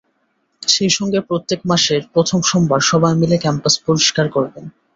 সেই সঙ্গে প্রত্যেক মাসের প্রথম সোমবার সবাই মিলে ক্যাম্পাস পরিষ্কার করবেন।